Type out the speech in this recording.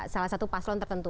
salah satu paslon tertentu